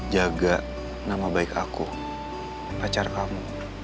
jaga nama baik aku pacar kamu